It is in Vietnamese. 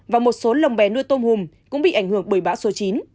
và một số lồng bè nuôi tôm hùm cũng bị ảnh hưởng bởi bão số chín